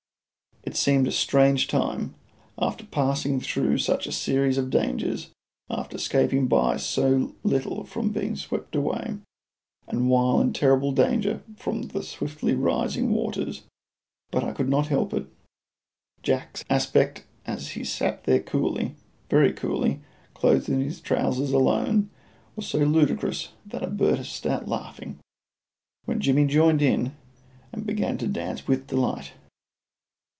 It seemed a strange time: after passing through such a series of dangers, after escaping by so little from being swept away, and while in terrible danger from the swiftly rising waters, but I could not help it Jack's aspect as he sat there coolly, very coolly, clothed in his trousers alone, was so ludicrous that I burst out laughing, when Jimmy joined in, and began to dance with delight.